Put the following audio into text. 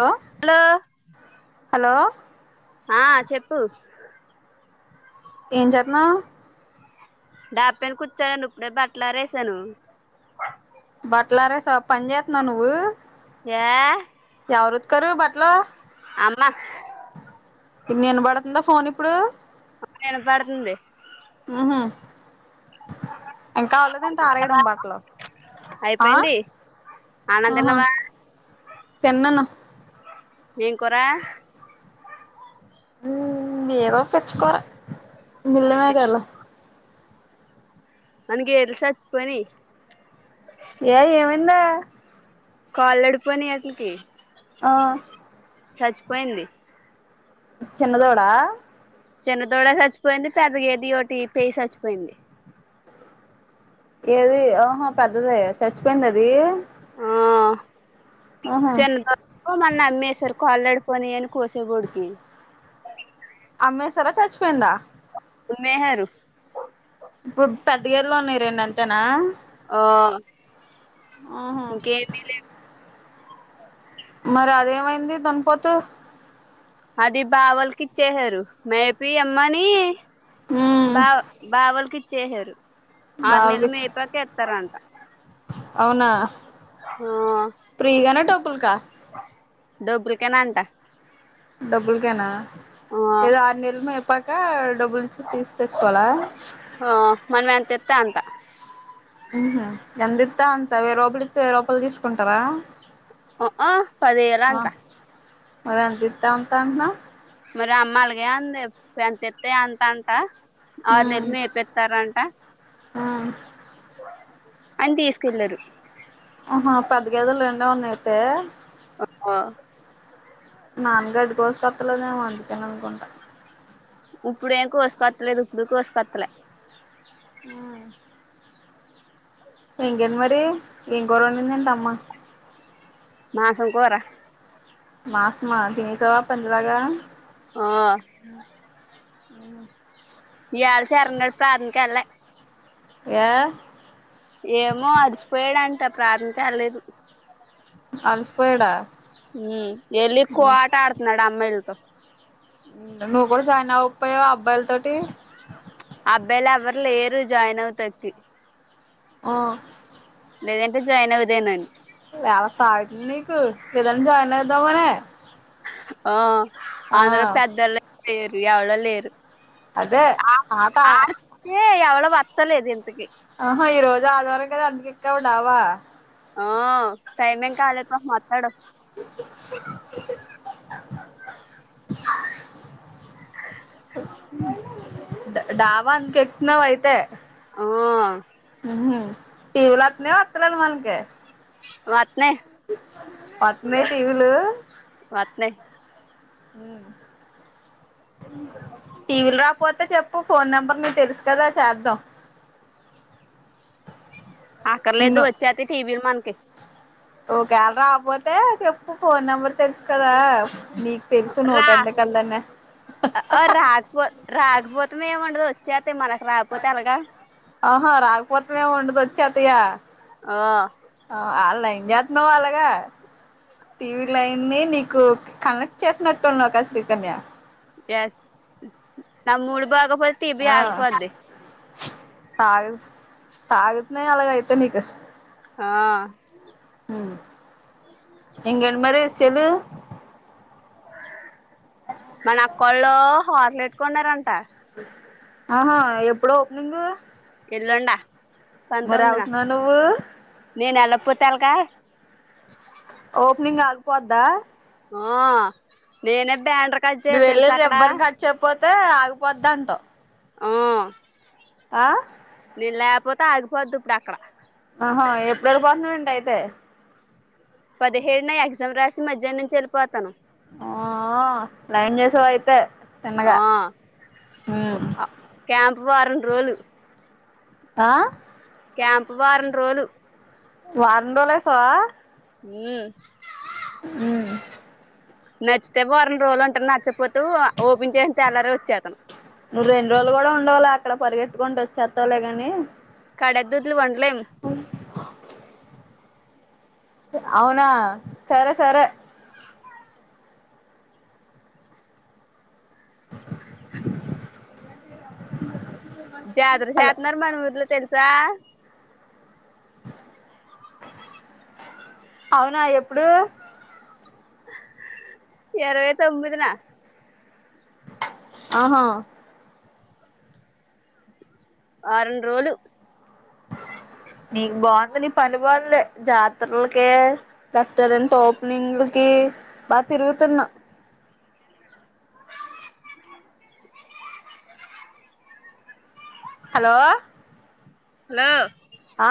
హా hello hello ఆ చెప్పు ఏం చేతున్నావ్ డాపను కూర్చోడు ఇప్పుడే బట్టలారేసాను బట్లారే ఆరేసి పనిజెతున్నావా నువ్ య ఎవరు ఉతుకరు బట్టలు అమ్మా ఇ నేన పడుతుందా ఫోన్ ఇప్పుడు వినపడుతుంది ఉహు ఇంకా అవలేదుంట ఆరేయడం బట్లో ఆ అయిపోయింది అన్నం ఆహా తిన్నావా తిన్నను నేను కురా వేర తెచ్చకోర మళ్ల్మేకాల మనగ ఎల్సత్ పోని అన్న కాల్ వెల్డపోయినకి అట్లకి ఆ చచ్చిపోయింది చిన్నదోడా చిన్న తోడ చచ్చిపోయింది పెద్ద గ ఏది ఒకటి పేయి చచ్చిపోయింది ఏది ఆఓహో పెద్దద చచ్చిపోయింది అది ఆ ఆహా చిన్న ద మన్న అమేసర్ కాళ్ళడిపోని అని కోసే బోడికి అమ్మెసరా చచ్చిపోయింద నెహరు ఇప్పుడు పెద్ద గదిలో ఉన్నాయి రెండంతేనా ఆ ఆహా ఇంకేమీ లేదు మరి అదేమైంది దున్నపోతు అది బావొళ్ళకిచ్చేసారు మేపి అమ్మని ఉమ్ బావ్ బావోల్కి చేసారు ఆర్ నెళ్ళు బావలకిచ్చి మేపాకిస్తారంట అవునా ఆ ప్రిగాన డబ్బుల్కా డబ్బులుకేనంటా డబ్బులకేనా ఏదో ఆరు నెళ్ళు మెప్ పకా డబ్బుల్ తీ తెచ్చుకోవాల ఆ మనం ఎంత ఇత్తే అంత మ్ హు ఎంతిత్తే అంత వెయ్యి రూపాయలు ఇత్తే వెయ్యి రూపాయలు తీసుకుంటారా ఆమ్ ఆ ఆ పదివేలంటా మరి ఏంతిత్తే ఉంతా అంటున్నవ్ రే అమ్మ అలాగే అంది ఎంతిత్తే అంత అంట ఆరు ఉమ్ నెల్లు మేపితరంటా అహా పెద్దగదేల్ వెన్ న్నాయ్ అయితే ఆ నాన్నగడ్డి కోసుకొత్తలోదేమో అందుకేమొ అనుకుంట ఉప్పుడెం కోసుకొత్తలేదు ఇప్పుడు కోసుకొతలే ఆ ఇంకేంటి మరి ఏం కూరొండిందేంటి అమ్మ మాంసం కూర ఆస్మా తినేసావ పందిలాగా ఆ హు ఇయ్యాళ చరణ్ గాడు ప్రానికెళ్ళే ఏ ఏమో అలిసిపోయాడు అంట ప్రారిం కెల్లెదు అలసిపోయాడా హు ఎల్లి కోట ఆడుతున్నాడు అమ్మాయిలతో నువ్వు కూడా జాయిన్ అవ్వకపోయావా అబ్బాయిల తోటి అబ్బాయిలు ఎవరు లేరు జాయిన్ అవుతాని కి ఓ లేదంటే జాయిన్ అవుదానని అలా సాగుతోంది నీకు లేదంటే జాయిన్ అయిదామనే ఆ అందరు పెద్దోల్లు లేరు ఎళ్ళ లేరు అదే ఆ ఆట ఆడితే ఎవడో వత్తలేదు ఇంటికి ఆహా ఈ రోజు ఆదివారం కదా అందుకొచ్చావా డాబా ఆ టైమేం కాల పాపము ఒత్తాడు డాబ అందుకు ఎక్కుతున్నావు అయితే ఓ ఉమ్ టీవీలో వతుందా వత్త లేదా మనకి వత్తనా వత్తుందా టీవీలు వత్తున్న టీవీలు రాకపోతే చెప్పు ఫోన్ నెంబర్ నీకు తెలుసు కదా చేద్దాం అక్కర్లేదు వచ్చేతాయి టీవీలు మనవి ఒకేళ రాకపోతే చెప్పు ఫోన్ నెంబర్ తెలుసు కదా నీకు తెలుసు రా నూటెంట కల్దన్న ఆహో రాకపో రాకపోతమేమంట దో వచ్చా ఆహా రాకపోతేదేమి ఉండదు చేతయా ఆ ఆ అలై చేతున్నావ్ అలగా టీవీ లైయిన్నీ నీకు కనెక్ట్ చేసినట్టున్నావుగా చైతన్య యస్ నాకు మూడ్ బాగోపోతే టీవీ ఆగిపోద్ది సాగ సాగుతున్నాయి అలాగైతే నీకు ఆ హు ఇంగెంటి మరి చెదు మన అక్కోలు హోట్లు ఎటుకున్నారంట ఆహా ఎప్పుడో ఓపెనింగు ఎల్లుండ పంతొమ్మిదిన వెళ్తున్నావు నువ్వు నేను ఏళ్లకపోతే ఎలాగ పోద్దా ఆ నేనే బ్యానరు నువు ఏళ్లి రిబన్ కట్ చేయపోత్ తే ఆగిపోతుదాంటావ్ ఆ ఆ నీ లేపోతే ఆగిపోంది ఇప్పుడు అక్కడ ఆహా ఎపుడు ఎలపొంతున్నావ్ ఏంటి అయితే పదిహేడున ఎగ్జామ్ రాసి మధ్యా నుంచి వెళ్ళిపోతాను ఆ ఆ లైన్ చేసావ్ అయితే చిన్నగా ఆ ఓ ఉమ్ ఆ క్యామ్ వారం రోలు ఆ క్యాంపు వారం రోజులు వారోలు ఏసావా ఉహు హు నచ్చితే వారం రోజులు ఉంటాను నచ్చపోతే వా ఓపెన్ చేసిన తెల్లరే వచ్చేస్తాను నువు రెండు రోజులు కూడా ఉండవులేగా అక్కడ పరిగెంతుకుంటూ వచ్చేస్తావలే గాని డెదుడ్లు వండు లేం హు అవునా సరే సరే జాతర హలో చేతన్నారు మన ఊర్లో తెలు స అవునా ఎప్పుడు ఎరవై తొమ్మిది నా ఆహా వారం రోజులు నీకు బాగుంది నీ పని బాగుంది జాతరలకి రెస్టారెంట్ ఓపెనింగ్లకి బా తిరుగుతున్నా హలో హలో ఆ